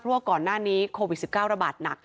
เพราะว่าก่อนหน้านี้โควิด๑๙ระบาดหนัก